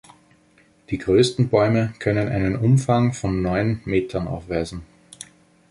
Die größten Bäume können einen Umfang von neun Metern aufweisen.